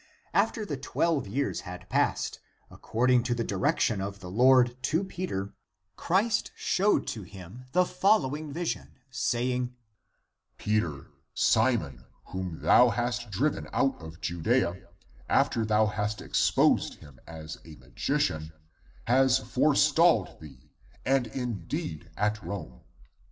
After the twelve years had passed, accord ing to the direction of the Lord to Peter, Christ showed to him the following vision, saying, " Peter, Simon, whom thou hast driven out of Judea, after thou hast exposed him as a magician, has forestalled thee (and indeed) at Rome.